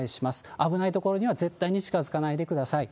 危ない所には絶対に近づかないでください。